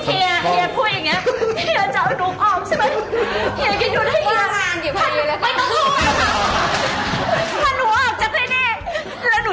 คิดว่าเคยพูดอย่างนี้